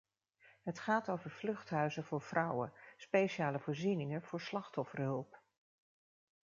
Het gaat over vluchthuizen voor vrouwen, speciale voorzieningen voor slachtofferhulp.